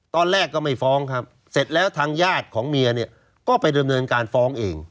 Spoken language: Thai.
ตอนแรกก็ไม่ฟ้องครับเสร็จแล้วทางญาติของเมียเนี่ยก็ไปดำเนินการฟ้องเอง